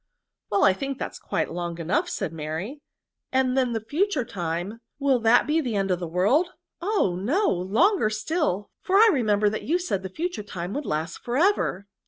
" Well I think that is quite long enough," said Mary; '^and then the future time, will that be to the end of the world? — oh ! no, longer still, for I remember that you said the future time would last for ever